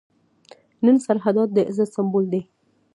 نن سرحدات د عزت سمبول دي.